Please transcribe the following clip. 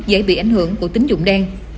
dễ bị ảnh hưởng của tính dụng đen